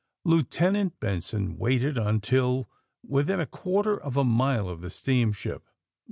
Lieutenant Benson waited until within a quar ter of a mile of the steamship.